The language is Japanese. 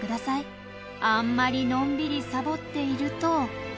あんまりのんびりさぼっていると。